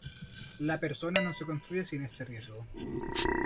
La persona no se construye sin este riesgo.